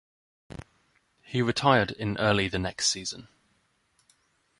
He retired in early the next season.